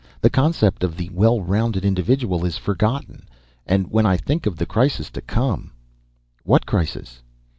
The concept of the well rounded individual is forgotten. And when I think of the crisis to come " "What crisis?"